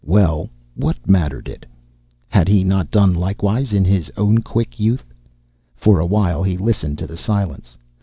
Well, what mattered it? Had he not done likewise in his own quick youth? For a while he listened to the silence.